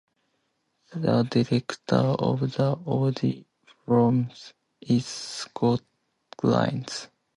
The Director of the Auditorium is Scott Collins.